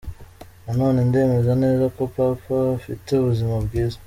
Nanone ndemeza neza ko Papa afite ubuzima bwiza.